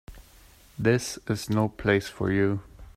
This is no place for you.